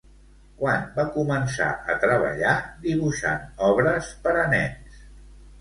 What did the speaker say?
Quan va començar a treballar dibuixant obres per a nens?